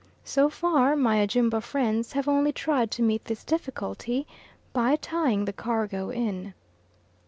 So far my Ajumba friends have only tried to meet this difficulty by tying the cargo in.